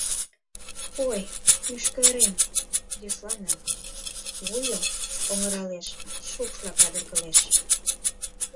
Ой, мӱшкыре-эм... — йӧслана, вуйым оҥыралеш, шукшла кадыргылеш.